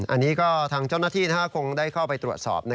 อันนี้ก็ทางเจ้าหน้าที่คงได้เข้าไปตรวจสอบ